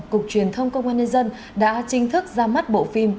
cục truyền thông công an nhân dân đã chính thức ra mắt bộ phim